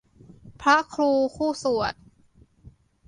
พระครูคู่สวด